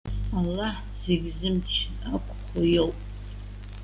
Аллаҳ зегьы зымч ақәхо иоуп.